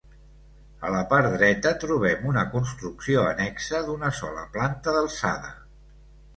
A la part dreta trobem una construcció annexa d'una sola planta d'alçada.